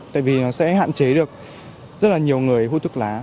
tại vì nó sẽ hạn chế được rất là nhiều người hút thuốc lá